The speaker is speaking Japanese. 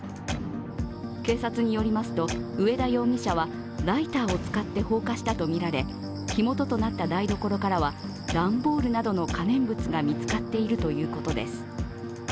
警察によりますと、上田容疑者はライターを使って放火したとみられ火元となった台所からは段ボールなどの可燃物が見つかっているということです。